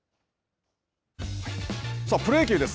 さあ、プロ野球です。